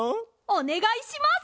おねがいします！